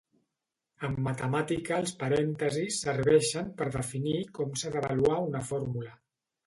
En matemàtica els parèntesis serveixen per definir com s'ha d'avaluar una fórmula.